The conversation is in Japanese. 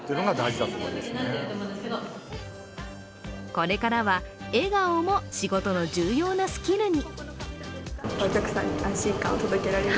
これからは笑顔も仕事の重要なスキルに。